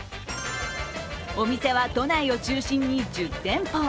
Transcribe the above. お店は都内を中心に１０店舗。